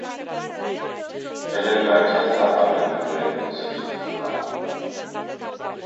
Pe lângă aceasta, avem nevoie de măsuri structurale.